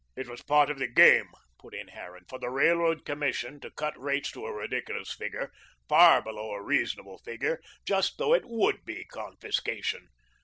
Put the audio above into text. "It was part of the game," put in Harran, "for the Railroad Commission to cut rates to a ridiculous figure, far below a REASONABLE figure, just so that it WOULD be confiscation.